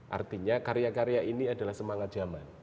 artinya karya karya ini adalah semangat zaman